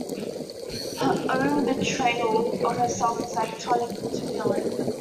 Her own betrayal of herself was like tonic to Philip.